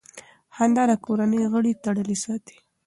خندا د کورنۍ غړي تړلي ساتي.